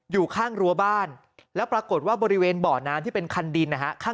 อยู่ข้างรั้วบ้านแล้วปรากฏว่าบริเวณบ่อน้ำที่เป็นคันดินนะฮะ